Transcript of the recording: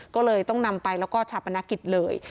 ก็เลยต้องนำไปแล้วก็ชาปนกิจเลย